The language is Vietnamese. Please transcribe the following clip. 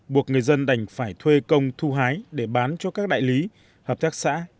buộc người dân đành phải thuê công thu hái để bán cho các đại lý hợp tác xã